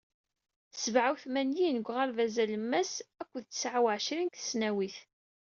Sebεa u tmanyin deg uɣerbaz alemmas akked tesεa u εecrin deg tesnawit.